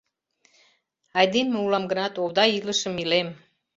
Айдеме улам гынат, овда илышым илем.